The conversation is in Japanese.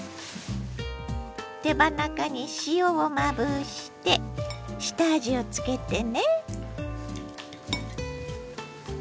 手羽中に塩をまぶして下味をつけてね。